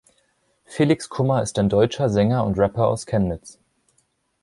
Felix Kummer ist ein deutscher Sänger und Rapper aus Chemnitz.